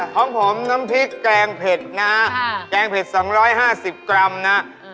ของผมน้ำพริกแกงเผ็ดนะแกงเผ็ด๒๕๐กรัมนะ